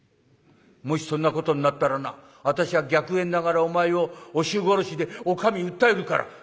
もしそんなことになったらな私は逆縁ながらお前をお主殺しでお上に訴えるから」。